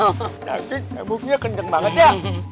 maksudnya kebuknya kenceng banget ya